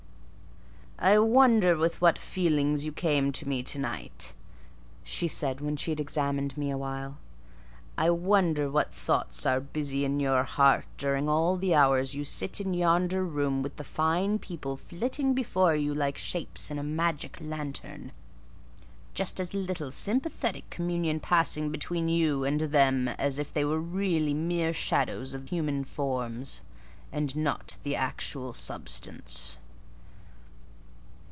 "I wonder with what feelings you came to me to night," she said, when she had examined me a while. "I wonder what thoughts are busy in your heart during all the hours you sit in yonder room with the fine people flitting before you like shapes in a magic lantern: just as little sympathetic communion passing between you and them as if they were really mere shadows of human forms, and not the actual substance."